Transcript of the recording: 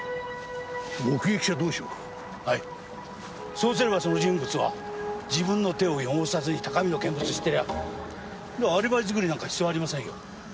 そうすればその人物は自分の手を汚さずに高みの見物してりゃあアリバイ作りなんか必要ありませんよ。